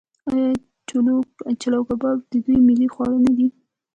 آیا چلو کباب د دوی ملي خواړه نه دي؟